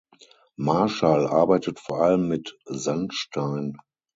Marschall arbeitet vor allem mit Sandstein.